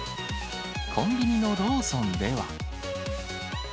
コンビニのローソンでは。